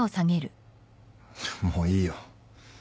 もういいよ。